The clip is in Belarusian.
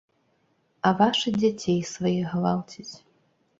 А вашы дзяцей сваіх гвалцяць.